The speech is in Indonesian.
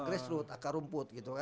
grassroot akar rumput gitu kan